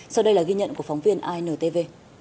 sau đây là ghi nhận của phóng viên intv